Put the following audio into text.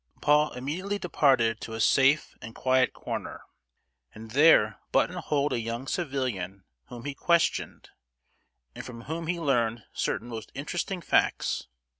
Paul immediately departed to a safe and quiet corner, and there button holed a young civilian whom he questioned, and from whom he learned certain most interesting facts.